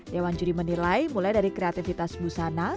dewan juri menilai mulai dari kreativitas busana